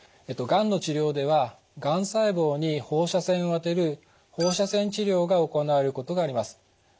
がんの治療ではがん細胞に放射線を当てる放射線治療が行われることがあります。